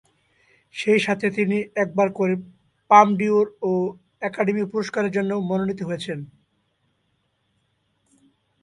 সেই সাথে তিনি একবার করে পাম ডি’ওর ও একাডেমি পুরস্কারের জন্যও মনোনীত হয়েছেন।